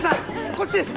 こっちです！